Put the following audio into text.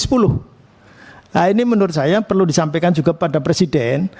nah ini menurut saya perlu disampaikan juga pada presiden